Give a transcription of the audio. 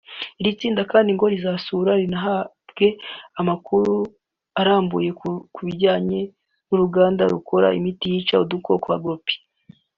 Iri tsinda kandi ngo rizanasura rinahabwe amakuru arambuye ku bijyanye n’uruganda rukora imiti yica udukoko Agropy